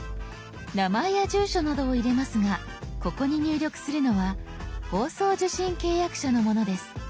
名前や住所などを入れますがここに入力するのは放送受信契約者のものです。